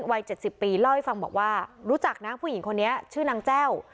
วัย๗๐ปีเล่าให้ฟังบอกว่ารู้จักนะผู้หญิงคนนี้ชื่อนางแจ้ว